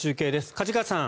梶川さん。